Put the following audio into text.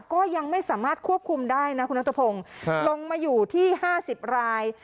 ก็ยังไม่สามารถควบคุมได้นะคุณนัทพงศ์ลงมาอยู่ที่๕๐ราย